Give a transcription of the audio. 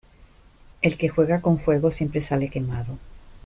El que juega con fuego siempre sale quemado.